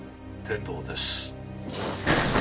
「天堂です」